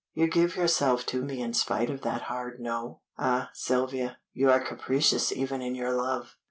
You give yourself to me in spite of that hard No? Ah, Sylvia, you are capricious even in your love."